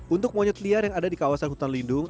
untuk monyet liar yang ada di kawasan hutan lindung